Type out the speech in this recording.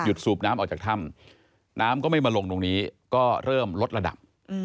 สูบน้ำออกจากถ้ำน้ำก็ไม่มาลงตรงนี้ก็เริ่มลดระดับ